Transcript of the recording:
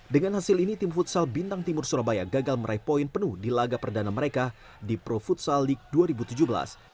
dengan hasil ini tim futsal bintang timur surabaya gagal meraih poin penuh di laga perdana mereka di pro futsal league dua ribu tujuh belas